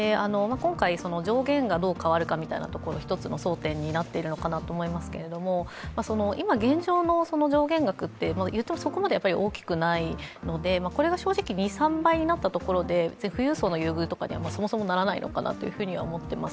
今回、上限がどう変わるかみたいなところ、一つの争点になっているのかなと思いますけど今現状の上限額というと、そこまで多くないのでこれが正直２３倍になったところで富裕層の優遇にはそもそもならないのかなと思っています。